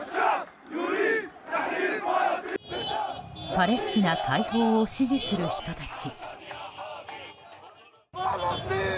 パレスチナ解放を支持する人たち。